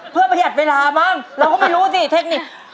เพื่อประหยัดเวลามั้งเราก็ไม่รู้สิเทคนิค